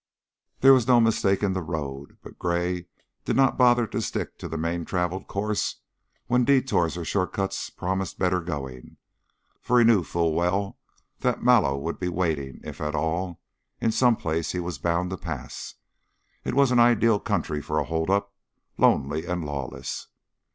There was no mistaking the road, but Gray did not bother to stick to the main traveled course when detours or short cuts promised better going, for he knew full well that Mallow would be waiting, if at all, in some place he was bound to pass. It was an ideal country for a holdup; lonely and lawless.